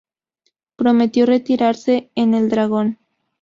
Prometió retirarse en el Dragón.